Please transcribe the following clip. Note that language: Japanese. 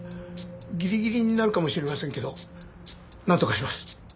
ギリギリになるかもしれませんけどなんとかします。